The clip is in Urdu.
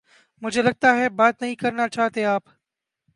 مجھے لگتا ہے بات نہیں کرنا چاہتے آپ